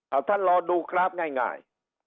เอาท่านรอดูกราฟง่าย